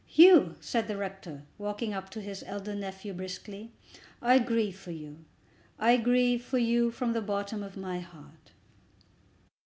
"Hugh," said the rector, walking up to his elder nephew, briskly, "I grieve for you. I grieve for you from the bottom of my heart."